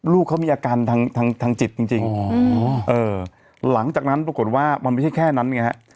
ลูกเขามีอาการทางจิตจริงหลังจากนั้นปรากฏว่ามันไม่ใช่แค่นั้นไงฮะ